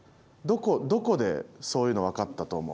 どこでそういうの分かったと思う？